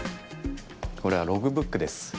これはログブックです。